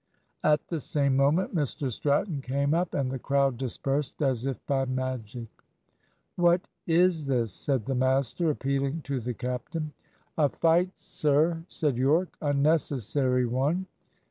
At the same moment Mr Stratton came up, and the crowd dispersed as if by magic. "What is this?" said the master, appealing to the captain. "A fight, sir," said Yorke. "A necessary one."